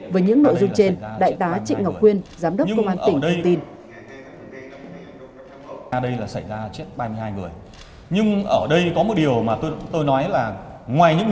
với những nội dung trên đại tá trịnh ngọc quyên giám đốc công an tỉnh